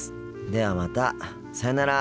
ではまたさようなら。